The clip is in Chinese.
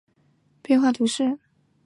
普朗佐莱人口变化图示